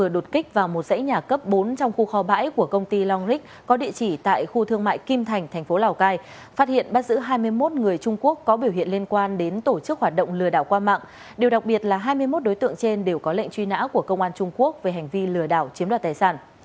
điều đặc biệt là hai mươi một đối tượng trên đều có lệnh truy nã của công an trung quốc về hành vi lừa đảo chiếm đoạt tài sản